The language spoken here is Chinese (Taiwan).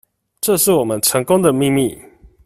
這是我們成功的秘密